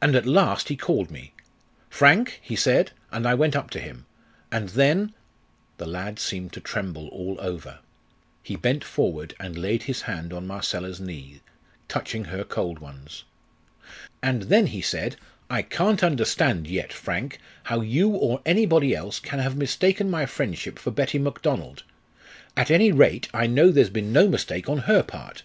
And at last he called me. 'Frank!' he said; and I went up to him. And then " The lad seemed to tremble all over. He bent forward and laid his hand on Marcella's knee, touching her cold ones. "And then he said, 'I can't understand yet, Frank, how you or anybody else can have mistaken my friendship for Betty Macdonald. At any rate, I know there's been no mistake on her part.